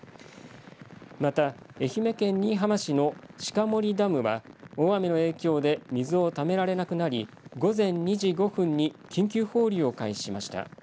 また愛媛県新居浜市の鹿森ダムは大雨の影響で水をためられなくなり午前２時５分に緊急放流を開始しました。